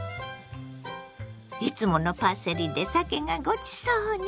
いつものパセリでさけがごちそうに。